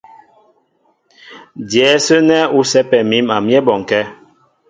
Dyɛ̌ ásə́ nɛ́ ú sɛ́pɛ mǐm a myɛ́ bɔnkɛ́.